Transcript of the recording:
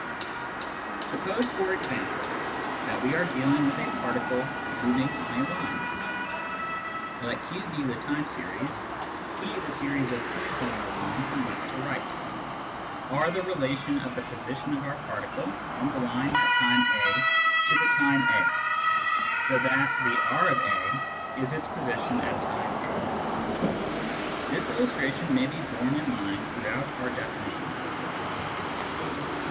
Suppose, for example, that we are dealing with a particle moving on a line : let Q be the time series, P the series of points on our line from left to right, R the relation of the position of our particle on the line at time a to the time a, so that " the R of a " is its position at time a. This illustration may be borne in mind throughout our definitions.